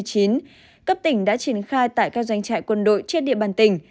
cấp tỉnh đã triển khai tại các doanh trại quân đội trên địa bàn tỉnh